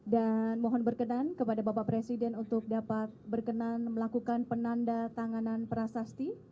dan mohon berkenan kepada bapak presiden untuk dapat berkenan melakukan penanda tanganan prasasti